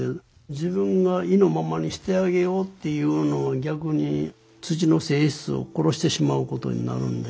自分が意のままにしてあげようっていうのは逆に土の性質を殺してしまうことになるんで。